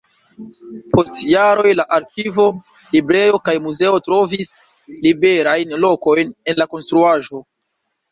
Post jaroj la arkivo, librejo kaj muzeo trovis liberajn lokojn en la konstruaĵo.